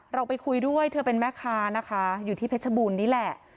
เราไปคุยด้วยเธอเป็นแม่ค้านะคะอยู่ที่เพชรบูรณ์นี่แหละ